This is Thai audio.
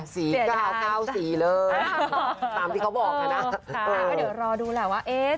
สีกาวสีเลยตามที่เขาบอกนะค่ะเดี๋ยวรอดูแหละว่าเอ๊ะ